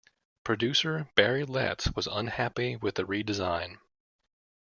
Producer Barry Letts was unhappy with the redesign.